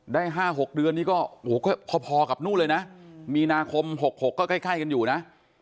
ได้๕๖เดือนนี้ก็พอกับนู่นเลยนะมีนาคม๖๖ก็ใกล้กันอยู่นะ